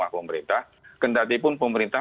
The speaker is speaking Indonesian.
pemerintah kendali pun pemerintah